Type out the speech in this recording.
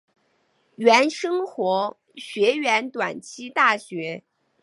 原生活学园短期大学。